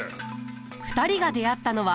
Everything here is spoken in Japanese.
２人が出会ったのは。